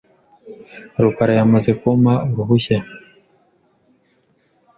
rukara yamaze kumpa uruhushya .